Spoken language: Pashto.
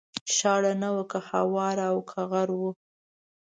شاړه نه وه که هواره او که غر و